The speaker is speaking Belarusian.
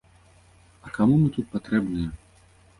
А каму мы тут патрэбныя?